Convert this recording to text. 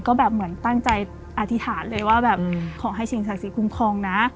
ก็แบบเหมือนตั้งใจอธิษฐานเลยว่าขอให้เชียงศักขีคุมครองนะ